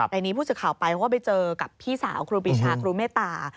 ในนี้ผู้สื่อข่าวไปเขาก็ไปเจอกับพี่สาวครูปีชาครูเมตตา